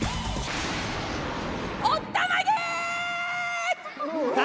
おったまげ！